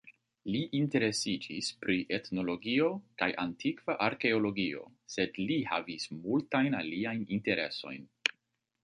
Li interesiĝis pri etnologio kaj antikva arkeologio, sed li havis multajn aliajn interesojn.